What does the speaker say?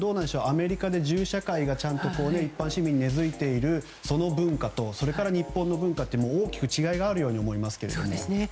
アメリカで銃社会がちゃんと一般市民に根付いている文化とそれから、日本の文化って大きく違いがあるように思いますけれども。